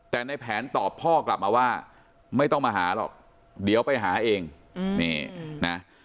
แต่ในแผนตอบพ่อกลับมาว่าไม่ต้องมาหาหรอกเดี๋ยวไปหาเองนี่นะ